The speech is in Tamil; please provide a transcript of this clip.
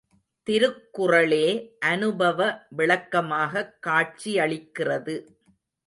திருக்குறளே அனுபவ விளக்கமாகக் காட்சியளிக்கிறது.